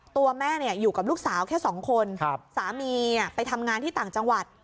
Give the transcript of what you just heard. ตัวแม่อยู่กับลูกสาวแค่สองคนสามีไปทำงานที่ต่างจังหวัด